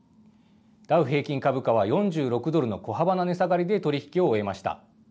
ダウ平均株価は４６ドルの小幅な値下がりで取り引きを終えました。